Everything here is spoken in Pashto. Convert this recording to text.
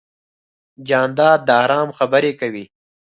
جانداد د ارام خبرې کوي.